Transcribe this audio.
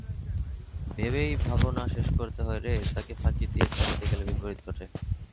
ভেবেই ভাবনা শেষ করতে হয় রে, তাকে ফাঁকি দিয়ে থামাতে গেলে বিপরীত ঘটে।